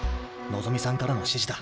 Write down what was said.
望さんからの指示だ。